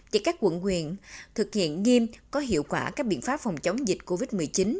chỉ các quận huyện thực hiện nghiêm có hiệu quả các biện pháp phòng chống dịch covid một mươi chín